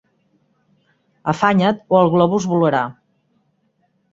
Afanya't o el globus volarà.